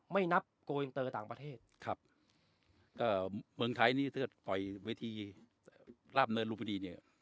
ไม่นับโกอินเตอร์ต่างประเทศครับก็เมืองไทยนี่ถ้าต่อยเวทีราบเนินลุมพินีเนี่ย